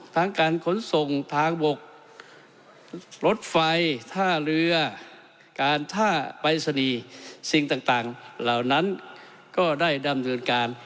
การขนส่งทางบกรถไฟท่าเรือการท่าปรายศนีย์สิ่งต่างเหล่านั้นก็ได้ดำเนินการ